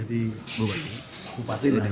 jadi bawa ke bupati dan dianggap